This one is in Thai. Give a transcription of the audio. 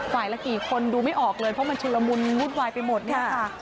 ละกี่คนดูไม่ออกเลยเพราะมันชุลมุนวุ่นวายไปหมดเนี่ยค่ะ